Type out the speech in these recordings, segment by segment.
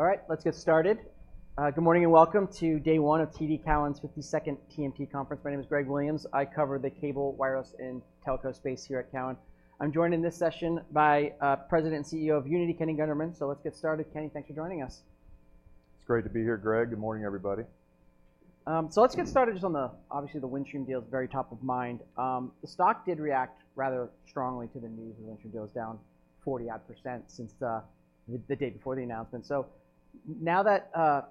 All right, let's get started. Good morning and welcome to day one of TD Cowen's 52nd TMT Conference. My name is Greg Williams. I cover the cable, wireless, and telco space here at Cowen. I'm joined in this session by President and CEO of Uniti, Kenny Gunderman. So let's get started. Kenny thanks for joining us. It's great to be here, Greg. Good morning, everybody.. So let's get started just on the obviously, the Windstream deal is very top of mind. The stock did react rather strongly to the news that Windstream deal is down 40-odd% since the day before the announcement. So now that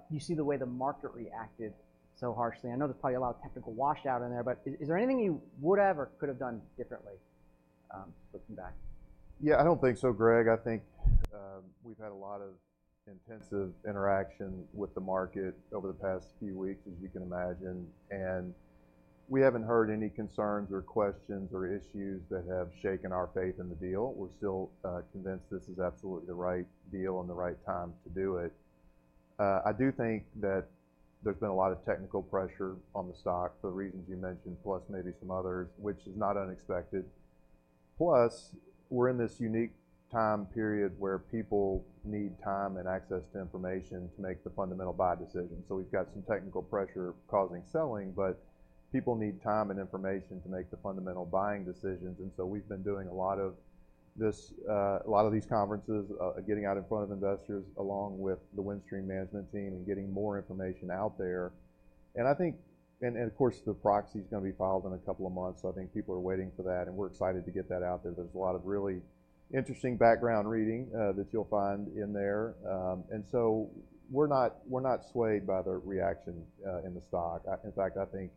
you see the way the market reacted so harshly, I know there's probably a lot of technical washout in there, but is there anything you would have or could have done differently looking back? Yeah, I don't think so, Greg. I think we've had a lot of intensive interaction with the market over the past few weeks, as you can imagine. We haven't heard any concerns or questions or issues that have shaken our faith in the deal. We're still convinced this is absolutely the right deal and the right time to do it. I do think that there's been a lot of technical pressure on the stock for the reasons you mentioned, plus maybe some others, which is not unexpected. We're in this unique time period where people need time and access to information to make the fundamental buy decision. We've got some technical pressure causing selling, but people need time and information to make the fundamental buying decisions. We've been doing a lot of these conferences, getting out in front of investors along with the Windstream management team and getting more information out there. Of course, the proxy is going to be filed in a couple of months. I think people are waiting for that, and we're excited to get that out there. There's a lot of really interesting background reading that you'll find in there. We're not swayed by the reaction in the stock. In fact, I think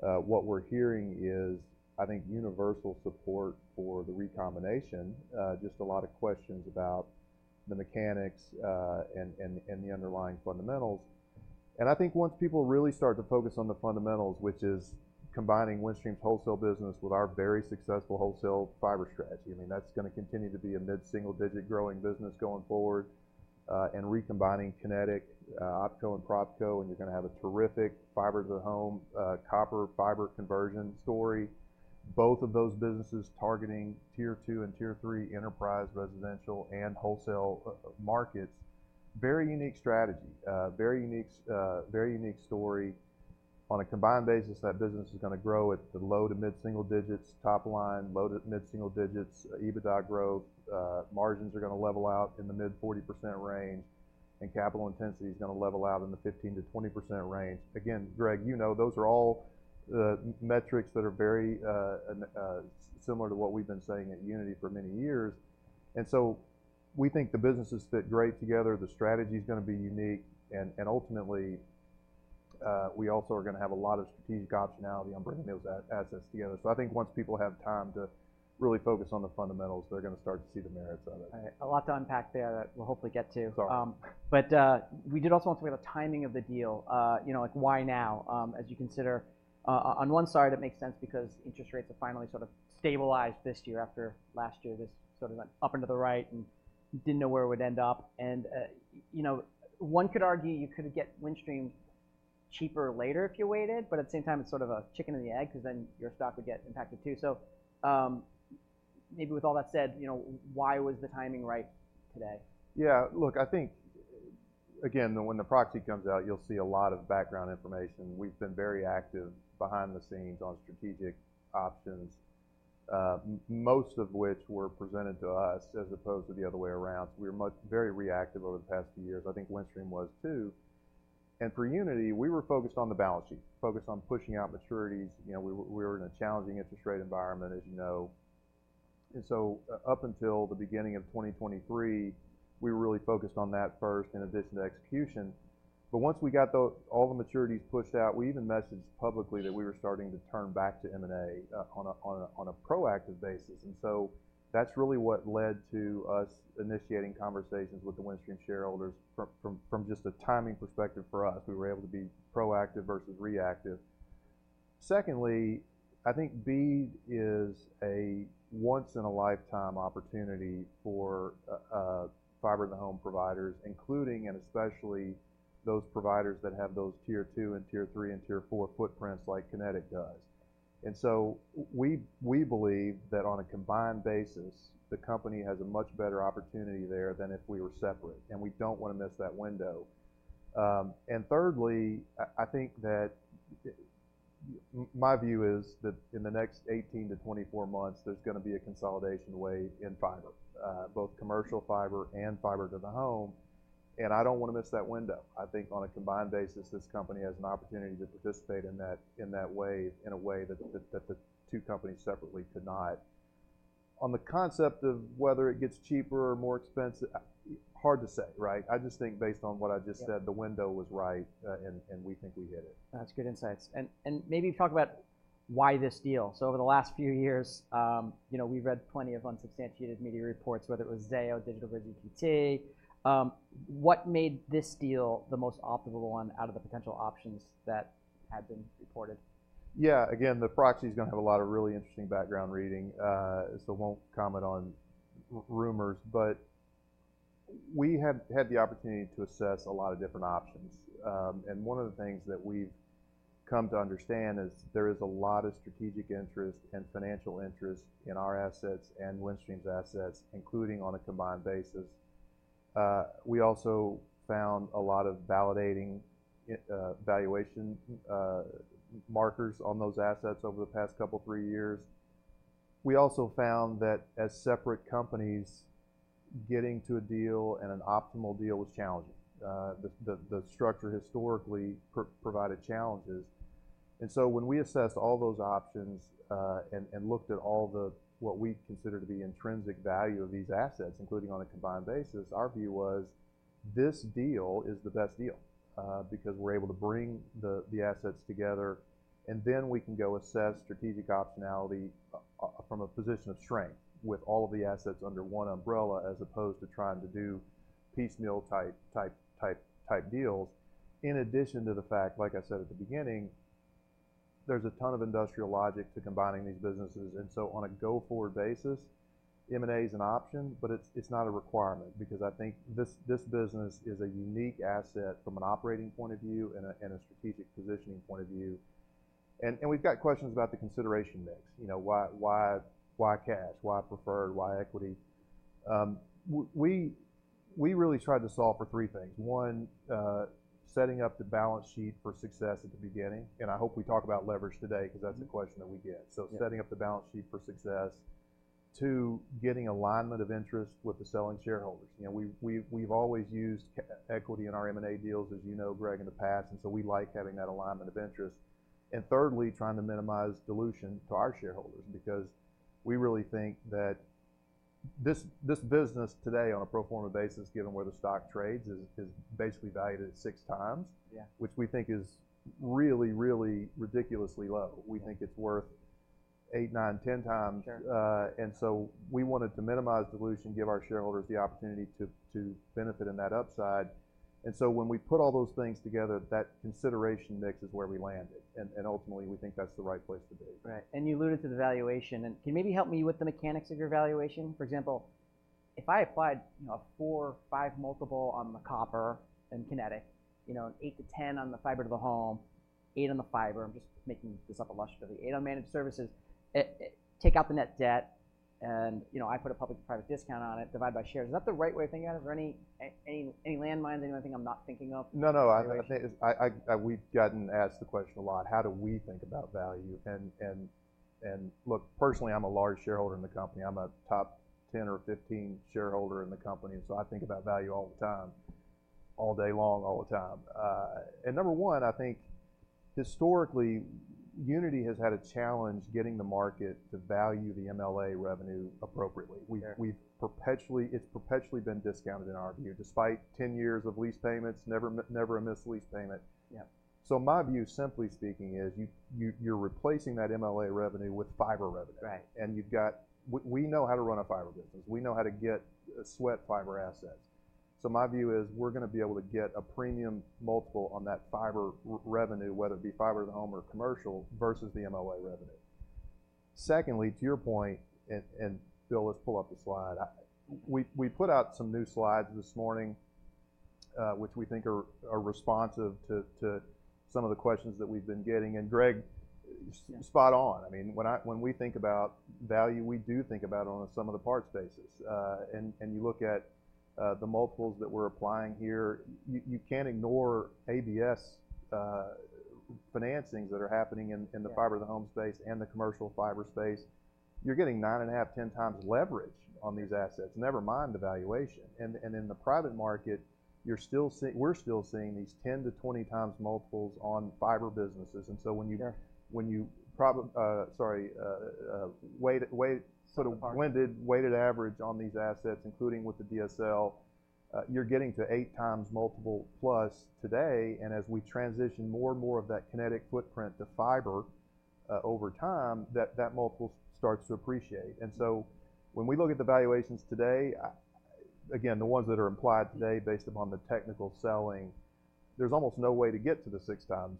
what we're hearing is universal support for the recombination, just a lot of questions about the mechanics and the underlying fundamentals. I think once people really start to focus on the fundamentals, which is combining Windstream's wholesale business with our very successful wholesale fiber strategy, I mean, that's going to continue to be a mid-single-digit growing business going forward, and recombining Kinetic, OpCo, and PropCo. You're going to have a terrific fiber-to-the-home copper fiber conversion story, both of those businesses targeting tier two and tier three enterprise, residential, and wholesale markets. Very unique strategy, very unique story on a combined basis. That business is going to grow at the low to mid-single digits, top line, low to mid-single digits, EBITDA growth. Margins are going to level out in the mid-40% range, and capital intensity is going to level out in the 15%-20% range. Again, Greg, you know those are all the metrics that are very similar to what we've been saying at Uniti for many years. We think the businesses fit great together. The strategy is going to be unique. Ultimately, we also are going to have a lot of strategic optionality on bringing those assets together. I think once people have time to really focus on the fundamentals, they're going to start to see the merits of it. All right. A lot to unpack there that we'll hopefully get to. Sorry. But we did also want to talk about the timing of the deal. Why now? As you consider, on one side, it makes sense because interest rates have finally sort of stabilized this year after last year. This sort of went up and to the right and didn't know where it would end up. And one could argue you could have get Windstream cheaper later if you waited, but at the same time, it's sort of a chicken and the egg because then your stock would get impacted too. So maybe with all that said, why was the timing right today? Yeah. Look, I think, again, when the proxy comes out, you'll see a lot of background information. We've been very active behind the scenes on strategic options, most of which were presented to us as opposed to the other way around. So we were very reactive over the past few years. I think Windstream was too. And for Uniti, we were focused on the balance sheet, focused on pushing out maturities. We were in a challenging interest rate environment, as you know. And so up until the beginning of 2023, we were really focused on that first in addition to execution. But once we got all the maturities pushed out, we even messaged publicly that we were starting to turn back to M&A on a proactive basis. And so that's really what led to us initiating conversations with the Windstream shareholders from just a timing perspective for us. We were able to be proactive versus reactive. Secondly, I think BEAD is a once-in-a-lifetime opportunity for fiber-to-the-home providers, including and especially those providers that have those tier two and tier three and tier four footprints like Kinetic does. So we believe that on a combined basis, the company has a much better opportunity there than if we were separate. We don't want to miss that window. Thirdly, I think that my view is that in the next 18-24 months, there's going to be a consolidation wave in fiber, both commercial fiber and fiber-to-the-home. I don't want to miss that window. I think on a combined basis, this company has an opportunity to participate in that wave in a way that the two companies separately could not. On the concept of whether it gets cheaper or more expensive, hard to say, right? I just think based on what I just said, the window was right, and we think we hit it. That's good insights. Maybe talk about why this deal. Over the last few years, we've read plenty of unsubstantiated media reports, whether it was Zayo, DigitalBridge, EQT. What made this deal the most optimal one out of the potential options that had been reported? Yeah. Again, the proxy is going to have a lot of really interesting background reading. So I won't comment on rumors. But we had the opportunity to assess a lot of different options. And one of the things that we've come to understand is there is a lot of strategic interest and financial interest in our assets and Windstream's assets, including on a combined basis. We also found a lot of validating valuation markers on those assets over the past couple, three years. We also found that as separate companies getting to a deal and an optimal deal was challenging. The structure historically provided challenges. And so when we assessed all those options and looked at all what we consider to be intrinsic value of these assets, including on a combined basis, our view was this deal is the best deal because we're able to bring the assets together. And then we can go assess strategic optionality from a position of strength with all of the assets under one umbrella as opposed to trying to do piecemeal type deals. In addition to the fact, like I said at the beginning, there's a ton of industrial logic to combining these businesses. And so on a go-forward basis, M&A is an option, but it's not a requirement because I think this business is a unique asset from an operating point of view and a strategic positioning point of view. And we've got questions about the consideration mix, why cash, why preferred, why equity. We really tried to solve for three things. One, setting up the balance sheet for success at the beginning. And I hope we talk about leverage today because that's a question that we get. So setting up the balance sheet for success. two, getting alignment of interest with the selling shareholders. We've always used equity in our M&A deals, as you know, Greg, in the past. So we like having that alignment of interest. Thirdly, trying to minimize dilution to our shareholders because we really think that this business today on a pro forma basis, given where the stock trades, is basically valued at 6x, which we think is really, really ridiculously low. We think it's worth 8x, 9x, 10x. So we wanted to minimize dilution, give our shareholders the opportunity to benefit in that upside. So when we put all those things together, that consideration mix is where we landed. Ultimately, we think that's the right place to be. Right. And you alluded to the valuation. And can you maybe help me with the mechanics of your valuation? For example, if I applied a 4-5 multiple on the copper and Kinetic, an 8-10 on the fiber to the home, eight on the fiber, I'm just making this up illustration for the eight on managed services, take out the net debt, and I put a public to private discount on it, divide by shares. Is that the right way of thinking about it? Is there any landmines, anything I'm not thinking of? No, no. I think we've gotten asked the question a lot, how do we think about value? And look, personally, I'm a large shareholder in the company. I'm a top 10 or 15 shareholder in the company. And so I think about value all the time, all day long, all the time. And number one, I think historically, Uniti has had a challenge getting the market to value the MLA revenue appropriately. It's perpetually been discounted in our view, despite 10 years of lease payments, never a missed lease payment. So my view, simply speaking, is you're replacing that MLA revenue with fiber revenue. And we know how to run a fiber business. We know how to get sweat fiber assets. So my view is we're going to be able to get a premium multiple on that fiber revenue, whether it be fiber to the home or commercial, versus the MLA revenue. Secondly, to your point, and Bill, let's pull up the slide. We put out some new slides this morning, which we think are responsive to some of the questions that we've been getting. And Greg, spot on. I mean, when we think about value, we do think about it on a sum of the parts basis. And you look at the multiples that we're applying here, you can't ignore ABS financings that are happening in the fiber to the home space and the commercial fiber space. You're getting 9.5x-10x leverage on these assets, never mind the valuation. And in the private market, we're still seeing these 10x-20x multiples on fiber businesses. So when you weigh sort of weighted average on these assets, including with the DSL, you're getting to 8x multiple plus today. And as we transition more and more of that Kinetic footprint to fiber over time, that multiple starts to appreciate. So when we look at the valuations today, again, the ones that are implied today based upon the technical selling, there's almost no way to get to the 6x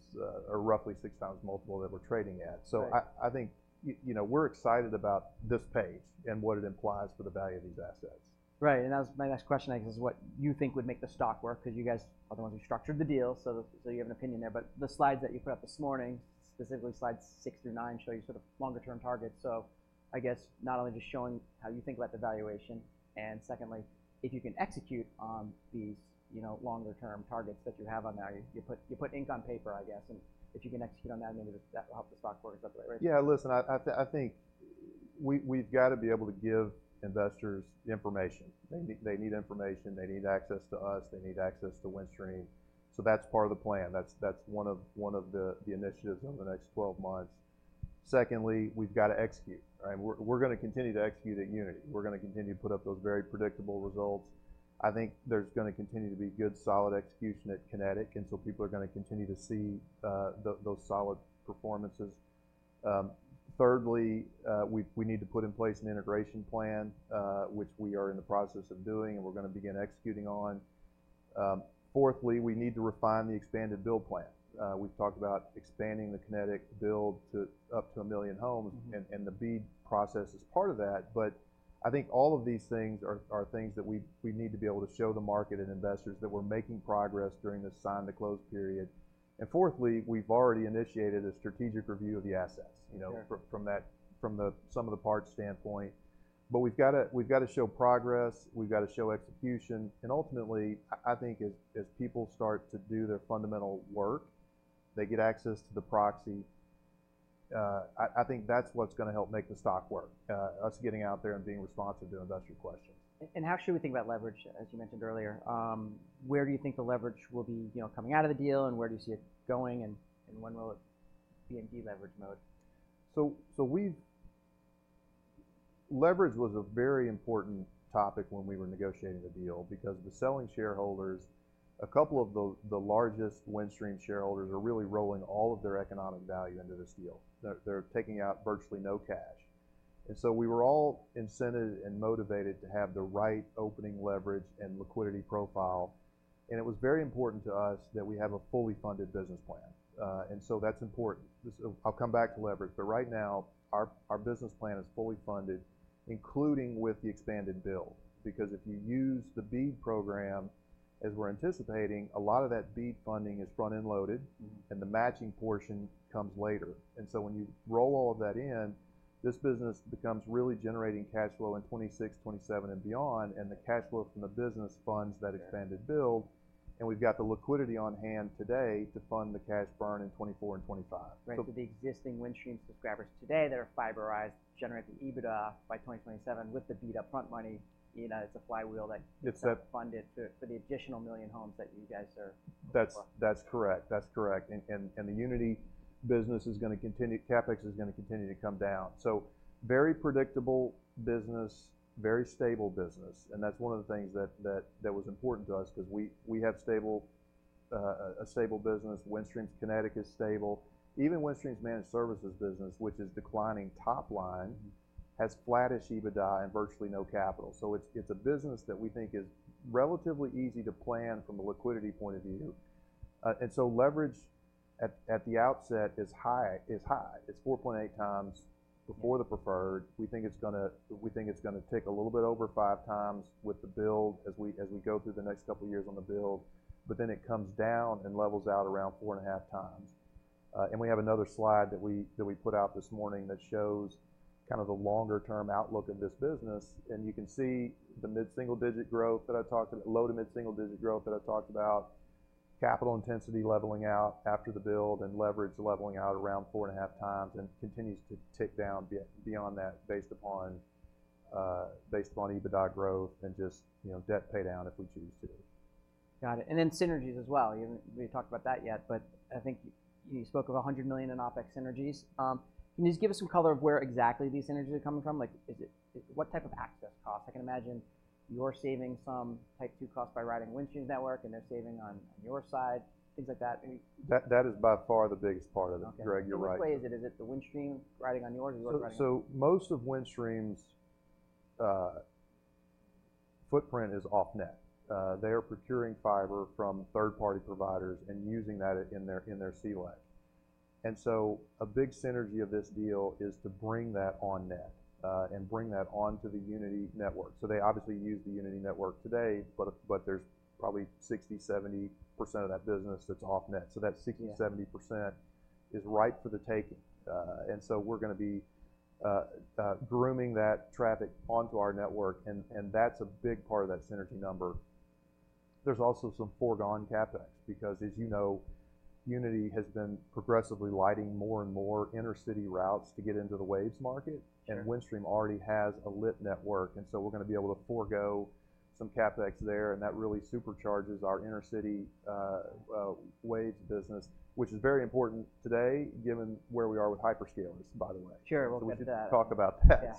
or roughly 6x multiple that we're trading at. So I think we're excited about this page and what it implies for the value of these assets. Right. And that was my next question, I guess, is what you think would make the stock work because you guys are the ones who structured the deal. So you have an opinion there. But the slides that you put up this morning, specifically slides 6-9, show you sort of longer-term targets. So I guess not only just showing how you think about the valuation. And secondly, if you can execute on these longer-term targets that you have on there, you put ink on paper, I guess. And if you can execute on that, maybe that will help the stock market set the right rate. Yeah. Listen, I think we've got to be able to give investors information. They need information. They need access to us. They need access to Windstream. So that's part of the plan. That's one of the initiatives over the next 12 months. Secondly, we've got to execute, right? We're going to continue to execute at Uniti. We're going to continue to put up those very predictable results. I think there's going to continue to be good, solid execution at Kinetic. And so people are going to continue to see those solid performances. Thirdly, we need to put in place an integration plan, which we are in the process of doing, and we're going to begin executing on. Fourthly, we need to refine the expanded build plan. We've talked about expanding the Kinetic build to up to 1 million homes. And the BEAD process is part of that. But I think all of these things are things that we need to be able to show the market and investors that we're making progress during this sign-to-close period. And fourthly, we've already initiated a strategic review of the assets from some of the parts standpoint. But we've got to show progress. We've got to show execution. And ultimately, I think as people start to do their fundamental work, they get access to the proxy. I think that's what's going to help make the stock work, us getting out there and being responsive to investor questions. How should we think about leverage, as you mentioned earlier? Where do you think the leverage will be coming out of the deal, and where do you see it going, and when will it be in deleverage mode? So leverage was a very important topic when we were negotiating the deal because the selling shareholders, a couple of the largest Windstream shareholders, are really rolling all of their economic value into this deal. They're taking out virtually no cash. And so we were all incentivized and motivated to have the right opening leverage and liquidity profile. And it was very important to us that we have a fully funded business plan. And so that's important. I'll come back to leverage. But right now, our business plan is fully funded, including with the expanded build. Because if you use the BEAD program, as we're anticipating, a lot of that BEAD funding is front-end loaded, and the matching portion comes later. And so when you roll all of that in, this business becomes really generating cash flow in 2026, 2027, and beyond. The cash flow from the business funds that expanded build. We've got the liquidity on hand today to fund the cash burn in 2024 and 2025. Right. So the existing Windstream subscribers today that are fiberized generate the EBITDA by 2027 with the BEAD upfront money. It's a flywheel that gets funded for the additional 1 million homes that you guys are looking for. That's correct. That's correct. The Uniti business is going to continue, CapEx is going to continue to come down. So very predictable business, very stable business. That's one of the things that was important to us because we have a stable business. Windstream's Kinetic is stable. Even Windstream's managed services business, which is declining top line, has flattest EBITDA and virtually no capital. So it's a business that we think is relatively easy to plan from a liquidity point of view. Leverage at the outset is high. It's 4.8x before the preferred. We think it's going to tick a little bit over 5x with the build as we go through the next couple of years on the build. But then it comes down and levels out around 4.5x. We have another slide that we put out this morning that shows kind of the longer-term outlook of this business. You can see the mid-single digit growth that I talked about, low to mid-single digit growth that I talked about, capital intensity leveling out after the build, and leverage leveling out around 4.5 times, and continues to tick down beyond that based upon EBITDA growth and just debt paydown if we choose to. Got it. And then synergies as well. We haven't really talked about that yet. But I think you spoke of $100 million in OpEx synergies. Can you just give us some color on where exactly these synergies are coming from? What type of access costs? I can imagine you're saving some Type 2 costs by riding Windstream's network, and they're saving on your side, things like that. That is by far the biggest part of it, Greg. You're right. In which way is it? Is it the Windstream riding on yours, or you're riding? So most of Windstream's footprint is off-net. They are procuring fiber from third-party providers and using that in their CLEC. So a big synergy of this deal is to bring that on-net and bring that onto the Uniti network. So they obviously use the Uniti network today, but there's probably 60%-70% of that business that's off-net. So that 60%-70% is right for the taking. So we're going to be grooming that traffic onto our network. And that's a big part of that synergy number. There's also some foregone CapEx because, as you know, Uniti has been progressively lighting more and more inner-city routes to get into the wavelengths market. And Windstream already has a lit network. So we're going to be able to forego some CapEx there. That really supercharges our inner-city wavelengths business, which is very important today, given where we are with hyperscalers, by the way. Sure. We'll get to talk about that.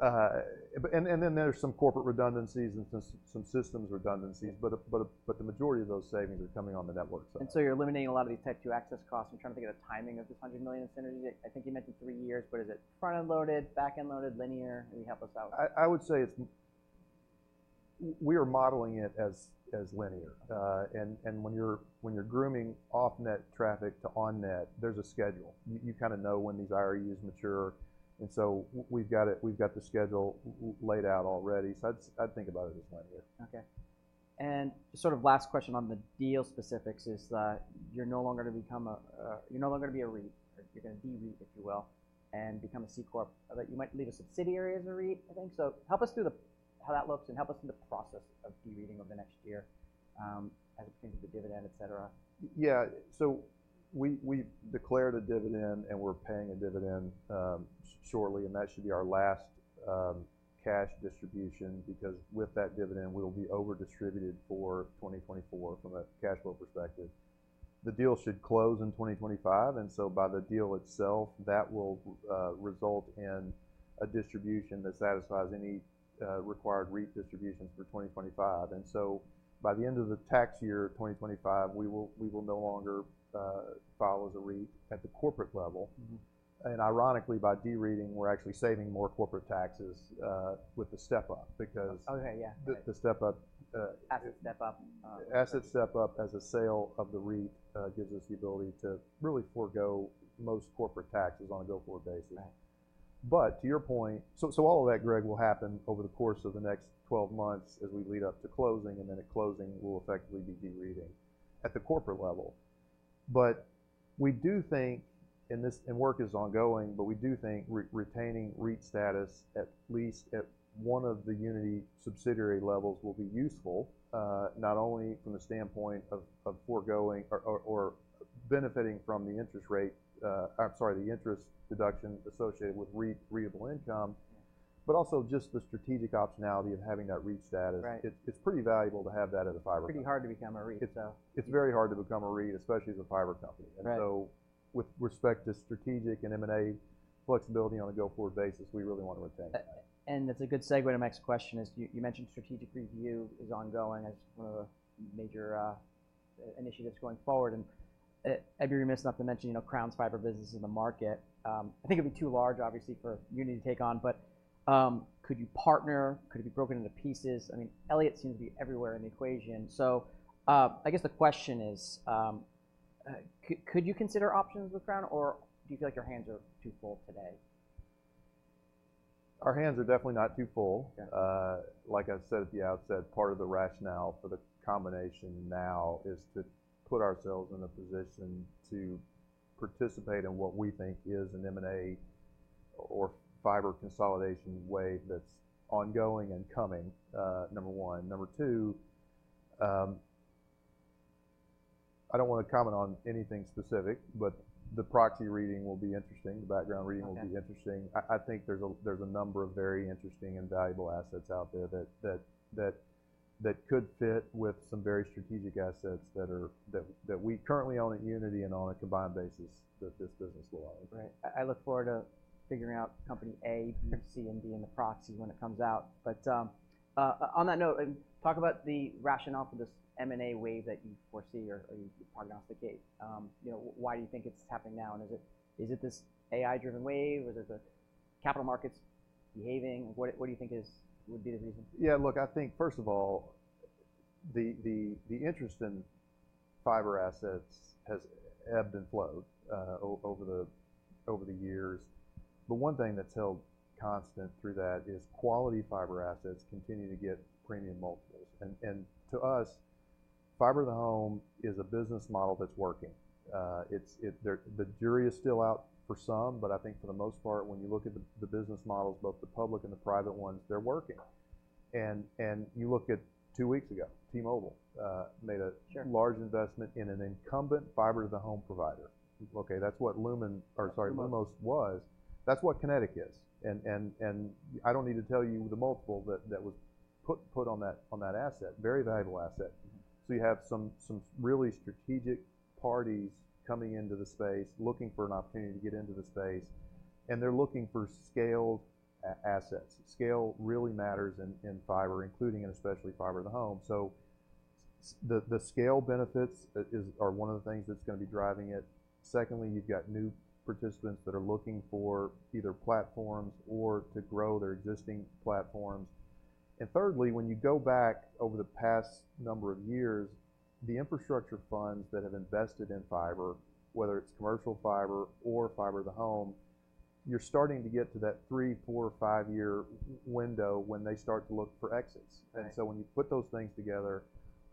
There's some corporate redundancies and some systems redundancies. The majority of those savings are coming on the network side. So you're eliminating a lot of these Type 2 access costs. I'm trying to think of the timing of this $100 million in synergy. I think you mentioned three years. But is it front-end loaded, back-end loaded, linear? Can you help us out with that? I would say we are modeling it as linear. When you're grooming off-net traffic to on-net, there's a schedule. You kind of know when these IRUs mature. So we've got the schedule laid out already. I'd think about it as linear. Okay. And sort of last question on the deal specifics is that you're no longer going to be a REIT. You're going to de-REIT, if you will, and become a C-Corp. You might leave a subsidiary as a REIT, I think. So help us through how that looks, and help us through the process of de-REITing over the next year as it pertains to the dividend, etc. Yeah. So we've declared a dividend, and we're paying a dividend shortly. And that should be our last cash distribution because with that dividend, we'll be overdistributed for 2024 from a cash flow perspective. The deal should close in 2025. And so by the deal itself, that will result in a distribution that satisfies any required REIT distributions for 2025. And so by the end of the tax year, 2025, we will no longer file as a REIT at the corporate level. And ironically, by de-REITing, we're actually saving more corporate taxes with the step-up because the step-up. Asset step-up. Asset step-up as a sale of the REIT gives us the ability to really forgo most corporate taxes on a go-forward basis. But to your point, all of that, Greg, will happen over the course of the next 12 months as we lead up to closing. And then at closing, we'll effectively be de-REITing at the corporate level. But we do think and work is ongoing. But we do think retaining REIT status, at least at one of the Uniti subsidiary levels, will be useful, not only from the standpoint of foregoing or benefiting from the interest deduction associated with taxable income, but also just the strategic optionality of having that REIT status. It's pretty valuable to have that at a fiber company. Pretty hard to become a REIT, so. It's very hard to become a REIT, especially as a fiber company. And so with respect to strategic and M&A flexibility on a go-for basis, we really want to retain that. That's a good segue to my next question. You mentioned strategic review is ongoing as one of the major initiatives going forward. I'd be remiss not to mention Crown Castle's fiber business in the market. I think it'd be too large, obviously, for Uniti to take on. But could you partner? Could it be broken into pieces? I mean, Elliott seems to be everywhere in the equation. So I guess the question is, could you consider options with Crown Castle? Or do you feel like your hands are too full today? Our hands are definitely not too full. Like I said at the outset, part of the rationale for the combination now is to put ourselves in a position to participate in what we think is an M&A or fiber consolidation wave that's ongoing and coming, 1. 2, I don't want to comment on anything specific. But the proxy reading will be interesting. The background reading will be interesting. I think there's a number of very interesting and valuable assets out there that could fit with some very strategic assets that we currently own at Uniti and on a combined basis that this business will own. Right. I look forward to figuring out Company A, B, C, and D in the proxy when it comes out. But on that note, talk about the rationale for this M&A wave that you foresee or you prognosticate. Why do you think it's happening now? And is it this AI-driven wave? Or is it the capital markets behaving? What do you think would be the reason? Yeah. Look, I think, first of all, the interest in fiber assets has ebbed and flowed over the years. But one thing that's held constant through that is quality fiber assets continue to get premium multiples. And to us, fiber-to-the-home is a business model that's working. The jury is still out for some. But I think, for the most part, when you look at the business models, both the public and the private ones, they're working. And you look at two weeks ago, T-Mobile made a large investment in an incumbent fiber-to-the-home provider. Okay. That's what Lumos was. That's what Kinetic is. And I don't need to tell you the multiple that was put on that asset, very valuable asset. So you have some really strategic parties coming into the space, looking for an opportunity to get into the space. They're looking for scaled assets. Scale really matters in fiber, including and especially fiber-to-the-home. So the scale benefits are one of the things that's going to be driving it. Secondly, you've got new participants that are looking for either platforms or to grow their existing platforms. And thirdly, when you go back over the past number of years, the infrastructure funds that have invested in fiber, whether it's commercial fiber or fiber-to-the-home, you're starting to get to that 3-, 4-, or 5-year window when they start to look for exits. And so when you put those things together,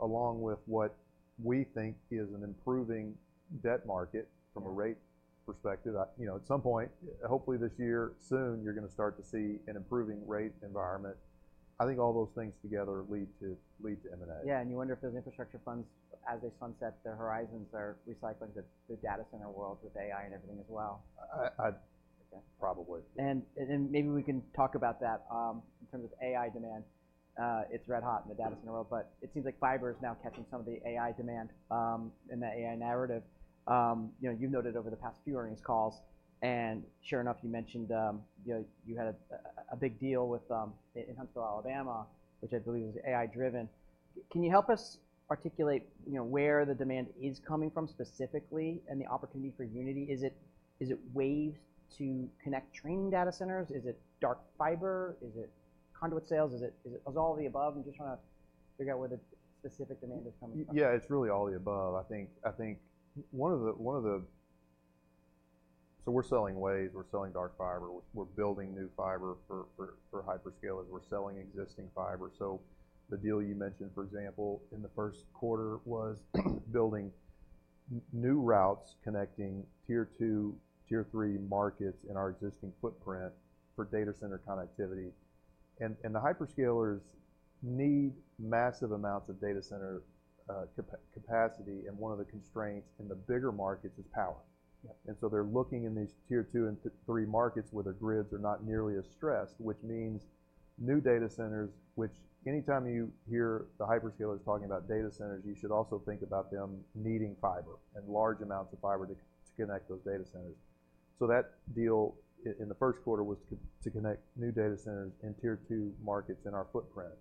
along with what we think is an improving debt market from a rate perspective, at some point, hopefully this year, soon, you're going to start to see an improving rate environment. I think all those things together lead to M&A. Yeah. And you wonder if those infrastructure funds, as they sunset their horizons, are recycling the data center world with AI and everything as well. Probably. Maybe we can talk about that in terms of AI demand. It's red hot in the data center world. It seems like fiber is now catching some of the AI demand in the AI narrative. You've noted over the past few earnings calls and, sure enough, you mentioned you had a big deal in Huntsville, Alabama, which I believe was AI-driven. Can you help us articulate where the demand is coming from specifically and the opportunity for Uniti? Is it waves to connect training data centers? Is it dark fiber? Is it conduit sales? Is it all the above? I'm just trying to figure out where the specific demand is coming from. Yeah. It's really all the above. I think, so we're selling wavelengths. We're selling dark fiber. We're building new fiber for hyperscalers. We're selling existing fiber. So the deal you mentioned, for example, in the first quarter was building new routes connecting tier 2, tier 3 markets in our existing footprint for data center connectivity. And the hyperscalers need massive amounts of data center capacity. And one of the constraints in the bigger markets is power. And so they're looking in these tier 2 and 3 markets where their grids are not nearly as stressed, which means new data centers, which anytime you hear the hyperscalers talking about data centers, you should also think about them needing fiber and large amounts of fiber to connect those data centers. That deal in the first quarter was to connect new data centers in tier 2 markets in our footprint.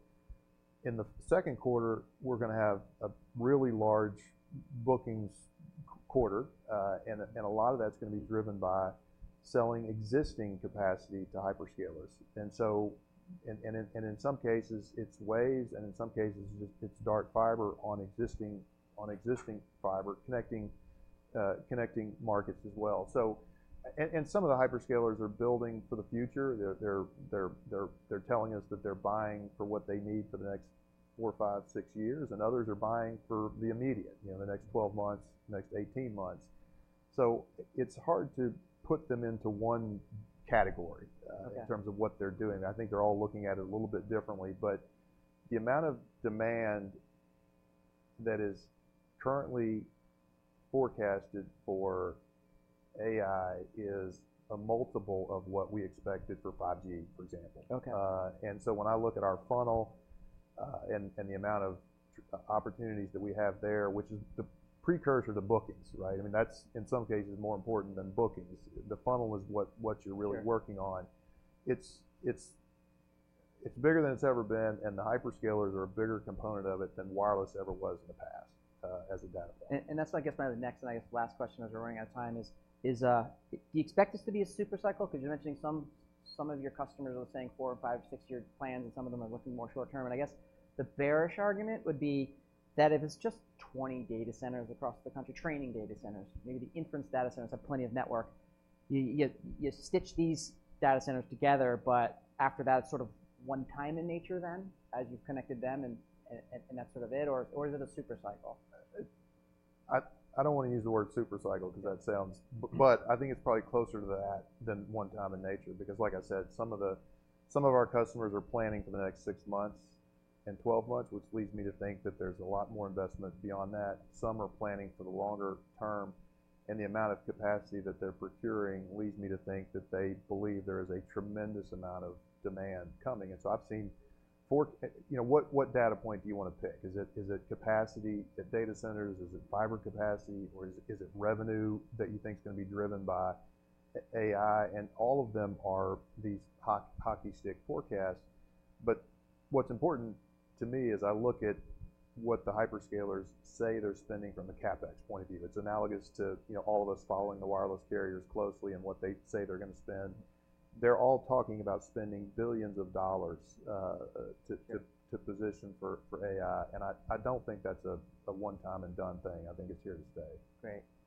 In the second quarter, we're going to have a really large bookings quarter. A lot of that's going to be driven by selling existing capacity to hyperscalers. In some cases, it's WAVES. In some cases, it's dark fiber on existing fiber connecting markets as well. Some of the hyperscalers are building for the future. They're telling us that they're buying for what they need for the next 4, 5, 6 years. Others are buying for the immediate, the next 12 months, next 18 months. It's hard to put them into one category in terms of what they're doing. I think they're all looking at it a little bit differently. But the amount of demand that is currently forecasted for AI is a multiple of what we expected for 5G, for example. And so when I look at our funnel and the amount of opportunities that we have there, which is the precursor to bookings, right? I mean, that's, in some cases, more important than bookings. The funnel is what you're really working on. It's bigger than it's ever been. And the hyperscalers are a bigger component of it than wireless ever was in the past as a data point. That's, I guess, my next and, I guess, last question as we're running out of time: do you expect this to be a super cycle? Because you're mentioning some of your customers are saying 4 and 5 or 6-year plans. And some of them are looking more short-term. And I guess the bearish argument would be that if it's just 20 data centers across the country, training data centers, maybe the inference data centers have plenty of network, you stitch these data centers together. But after that, it's sort of one-time in nature then as you've connected them, and that's sort of it? Or is it a super cycle? I don't want to use the word super cycle because that sounds but I think it's probably closer to that than one-time in nature because, like I said, some of our customers are planning for the next 6 months and 12 months, which leads me to think that there's a lot more investment beyond that. Some are planning for the longer term. And the amount of capacity that they're procuring leads me to think that they believe there is a tremendous amount of demand coming. And so I've seen what data point do you want to pick? Is it capacity at data centers? Is it fiber capacity? Or is it revenue that you think is going to be driven by AI? And all of them are these hockey stick forecasts. What's important to me is I look at what the hyperscalers say they're spending from a CapEx point of view. It's analogous to all of us following the wireless carriers closely and what they say they're going to spend. They're all talking about spending billions of dollars to position for AI. I don't think that's a one-time and done thing. I think it's here to stay. Great.